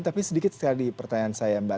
tapi sedikit sekali pertanyaan saya mbak